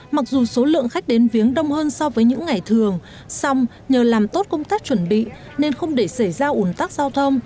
mặc dù số lượng khách đến viếng đông hơn so với những ngày thường song nhờ làm tốt công tác chuẩn bị nên không để xảy ra ủng hộ